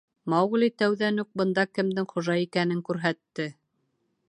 Маугли тәүҙән үк бында кемдең хужа икәнен күрһәтте.